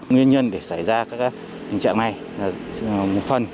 nguyên nhân để xảy ra các tình trạng này là một phần